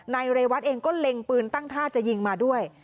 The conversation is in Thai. เรวัตเองก็เล็งปืนตั้งท่าจะยิงมาด้วย